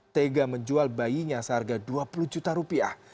tega menjual bayinya seharga dua puluh juta rupiah